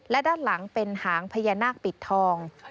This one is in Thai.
และด้านหลังเป็นหางพญานาคปิดทอง